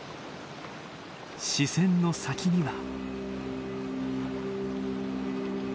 視線の先には。